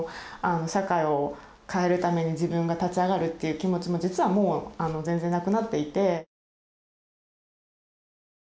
社会を変えるために自分が立ち上がるっていう気持ちも実はもう全然なくなっていて。